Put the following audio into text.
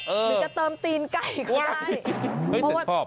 อื้อและเติมตีนไก่